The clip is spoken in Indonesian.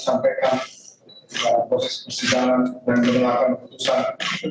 saya ingin menyampaikan proses kesedaran dan mengerjakan pesan